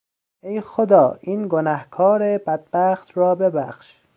ای خدا این گنهکار بدبخت را ببخش!